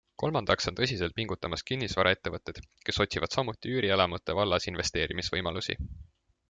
Kolmandaks on tõsiselt pingutamas kinnisvaraettevõtted, kes otsivad samuti üürielamute vallas investeerimisvõimalusi.